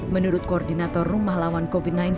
menurut koordinator rumah lawan covid sembilan belas